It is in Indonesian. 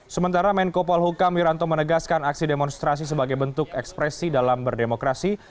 sementara menko polhukam wiranto menegaskan aksi demonstrasi sebagai bentuk ekspresi dalam berdemokrasi